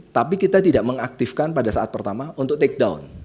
tapi kita tidak mengaktifkan pada saat pertama untuk take down